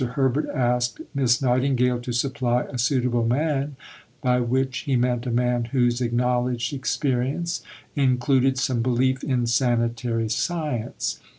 Herbert asked Miss Nightingale to supply a suitable man, by which he meant a man whose acknowledged experience included some belief in sanitary science.